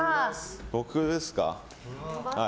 僕ですか？